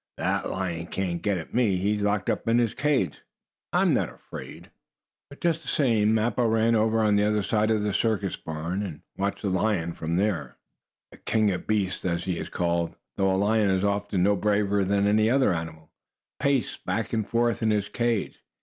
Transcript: That lion can't get at me! He is locked in his cage. I'm not afraid." But, just the same, Mappo ran over on the other side of the circus barn, and watched the lion from there. The "King of Beasts," as he is called, though a lion is often no braver that any other animal, paced back and forth in his cage.